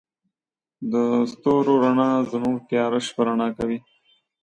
د ستورو رڼا زموږ تیاره شپه رڼا کوي.